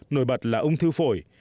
nổi bật là ung thư phổi